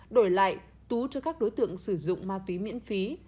đổi lại tú cho các đối tượng sử dụng ma túy miễn phí